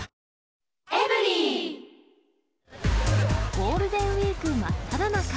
ゴールデンウィーク真っただ中。